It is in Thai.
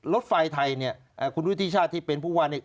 รถไฟไทยคุณวิทยาชาดีที่เป็นผู้ว่า